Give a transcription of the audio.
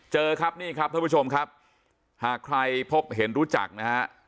เจอครับนี่ครับท่านผู้ชมครับหากใครพบเห็นรู้จักนะฮะ